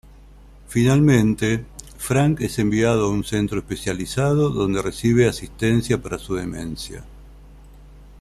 Finalmente, Frank es enviado a un centro especializado donde recibe asistencia para su demencia.